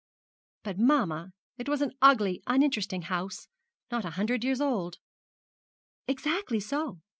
'But, mamma, it was an ugly, uninteresting house not a hundred years old.' 'Exactly so.